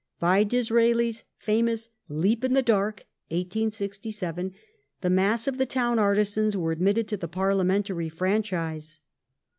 By Disraeli's famous " leap in the dark " (1867) the mass of the town artisans were admitted to the parliamentary franchise.